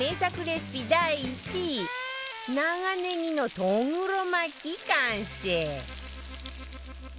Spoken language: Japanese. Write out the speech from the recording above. レシピ第１位長ねぎのとぐろ巻き完成